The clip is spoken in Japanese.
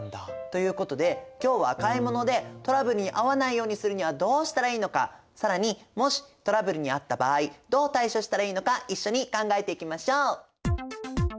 ということで今日は買い物でトラブルに遭わないようにするにはどうしたらいいのか更にもしトラブルに遭った場合どう対処したらいいのか一緒に考えていきましょう！